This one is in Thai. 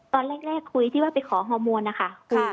ตอนแรกคุยที่ว่าไปขอฮอร์โมนนะคะ